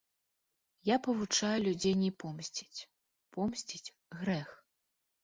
Я павучаю людзей не помсціць, помсціць грэх.